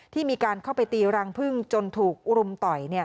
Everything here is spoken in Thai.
ที่มีการเข้าไปตีรังพึ่งจนถูกรุมต่อย